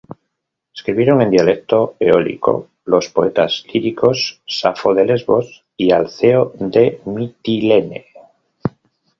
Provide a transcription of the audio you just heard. Escribieron en dialecto eólico los poetas líricos Safo de Lesbos y Alceo de Mitilene.